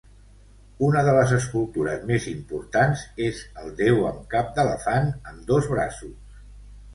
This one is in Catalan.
Una de les escultures més importants és el déu amb cap d'elefant amb dos braços.